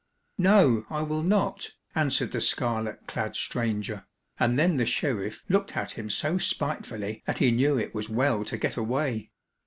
"No, I will not," answered the scarlet clad stranger, and then the sheriff looked at him so spitefully that he knew it was well to get away.